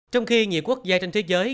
trong khi nhiều quốc gia trên thế giới